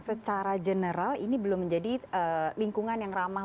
secara general ini belum menjadi lingkungan yang ramah